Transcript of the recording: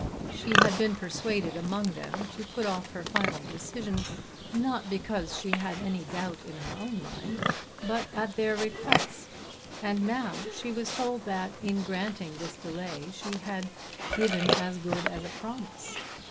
She had been persuaded among them to put off her final decision, not because she had any doubt in her own mind, but at their request, and now she was told that in granting this delay she had "given as good as a promise!"